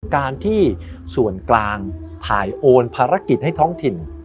การที่ส่วนกลางถ่ายโอนภารกิจให้ท้องถิ่น